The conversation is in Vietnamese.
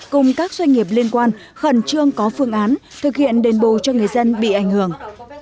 cùng các doanh nghiệp liên quan khẩn trương có phương án thực hiện đền bù cho người dân bị ảnh hưởng